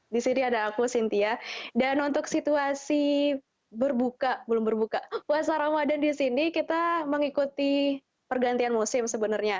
di sini ada aku sintia dan untuk situasi berbuka belum berbuka puasa ramadan di sini kita mengikuti pergantian musim sebenarnya